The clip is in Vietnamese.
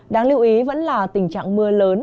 đáng lưu ý vẫn là tình trạng mưa lớn